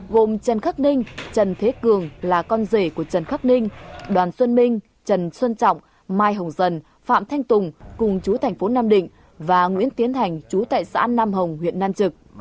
gồm trần khắc ninh trần thế cường là con rể của trần khắc ninh đoàn xuân minh trần xuân trọng mai hồng dần phạm thanh tùng cùng chú thành phố nam định và nguyễn tiến thành chú tại xã nam hồng huyện nam trực